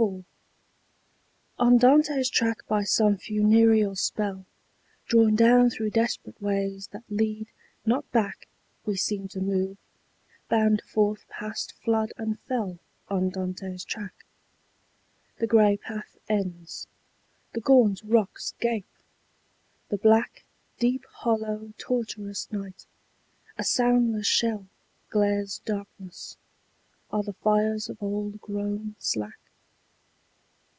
IV. On Dante's track by some funereal spell Drawn down through desperate ways that lead not back We seem to move, bound forth past flood and fell On Dante's track. The grey path ends: the gaunt rocks gape: the black Deep hollow tortuous night, a soundless shell, Glares darkness: are the fires of old grown slack?